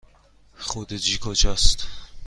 خروجی کجاست؟